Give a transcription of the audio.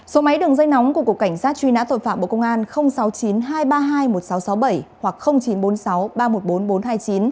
số máy đường dây nóng của cục cảnh sát truy nã tội phạm bộ công an sáu mươi chín hai trăm ba mươi hai một nghìn sáu trăm sáu mươi bảy hoặc chín trăm bốn mươi sáu ba trăm một mươi bốn nghìn bốn trăm hai mươi chín